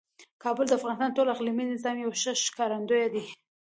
کابل د افغانستان د ټول اقلیمي نظام یو ښه ښکارندوی دی.